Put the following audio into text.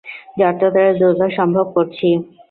যতোটা দ্রুত সম্ভব, করছি!